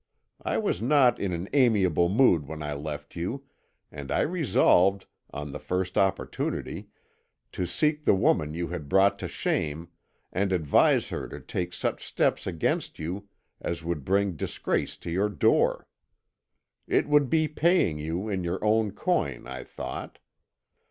I was not in an amiable mood when I left you, and I resolved, on the first opportunity, to seek the woman you had brought to shame, and advise her to take such steps against you as would bring disgrace to your door. It would be paying you in your own coin, I thought.